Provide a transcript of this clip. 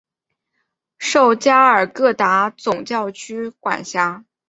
受加尔各答总教区管辖。